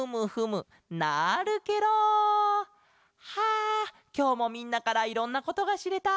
あきょうもみんなからいろんなことがしれた。